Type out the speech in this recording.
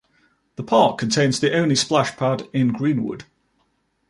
The park contains the only splash pad in Greenwood.